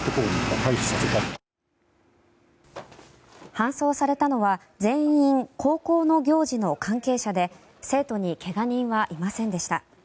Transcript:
搬送されたのは全員、高校の行事の関係者で生徒に怪我人はいませんでした。